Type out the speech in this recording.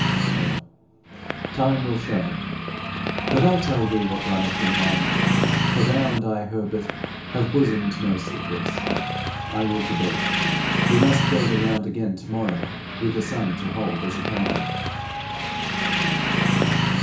'Well, time will show. I but tell thee what runneth in my mind, for thou and I, Herbert, have bosomed no secrets. I will to bed. We must go the round again to morrow with the sun to hold as a candle.'